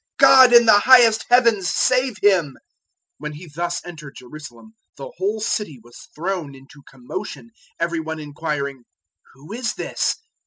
God in the highest Heavens save Him!" 021:010 When He thus entered Jerusalem, the whole city was thrown into commotion, every one inquiring, "Who is this?"